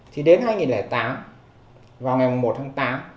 thì đến hai nghìn tám vào ngày một tháng tám